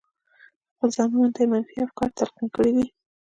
خپلو ځانونو ته يې منفي افکار تلقين کړي دي.